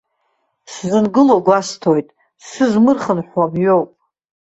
Сзынгылоу, игәасҭоит, сызмырхынҳәуа мҩоуп.